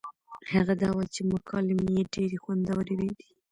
هغه دا وه چې مکالمې يې ډېرې خوندورې دي